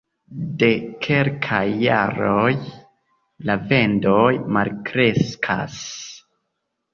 De kelkaj jaroj la vendoj malkreskas.